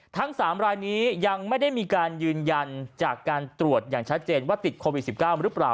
ทั้ง๓รายนี้ยังไม่ได้มีการยืนยันจากการตรวจอย่างชัดเจนว่าติดโควิด๑๙หรือเปล่า